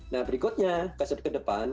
nah berikutnya kasus kedepan